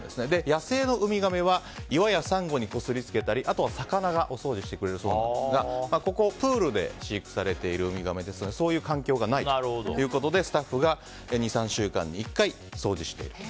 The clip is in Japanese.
野生のウミガメは岩やサンゴにこすりつけたりあとは魚がお掃除してくれるそうなんですがプールで飼育されているウミガメですのでそういう環境がないということでスタッフが２３週間に１回掃除していると。